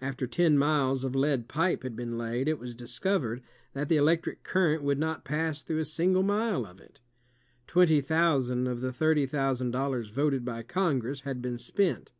After ten miles of lead pipe had been laid, it was discovered that the electric current would not pass through a single mile of it. Twenty thousand of the thirty thousand dollars voted by Congress had been spent.